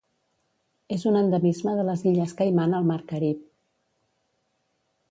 És un endemisme de les Illes Caiman al Mar Carib.